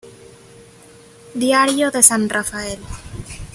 Diario de San Rafael